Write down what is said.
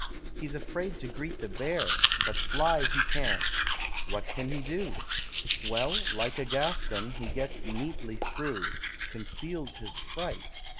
He's afraid to greet The Bear; but fly he can't. What can he do? Well, like a Gascon, he gets neatly through: Conceals his fright.